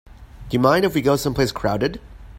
Do you mind if we go someplace crowded?